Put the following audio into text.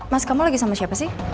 mas kamu lagi sama siapa sih